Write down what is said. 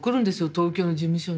東京の事務所に。